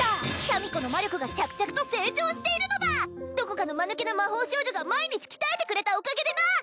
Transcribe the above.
シャミ子の魔力が着々と成長しているのだどこかのマヌケな魔法少女が毎日鍛えてくれたおかげでな！